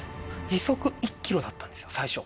時速１キロだったんですよ最初。